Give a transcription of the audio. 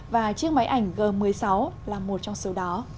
và chiếc máy ảnh g một mươi sáu là một trong số đó